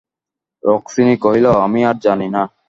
রুক্মিণী কহিল, আমি আর জানি না!